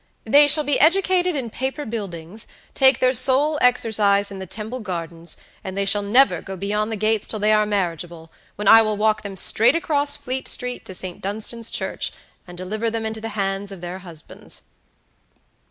they shall be educated in Paper Buildings, take their sole exercise in the Temple Gardens, and they shall never go beyond the gates till they are marriageable, when I will walk them straight across Fleet street to St. Dunstan's church, and deliver them into the hands of their husbands."